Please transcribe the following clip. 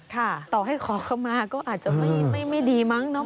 ต่อให้ขอคำมาก็อาจจะไม่ดีมั้งเนาะ